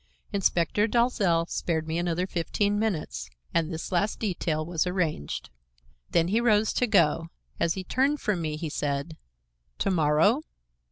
Inspector Dalzell spared me another fifteen minutes, and this last detail was arranged. Then he rose to go. As he turned from me he said: "To morrow?"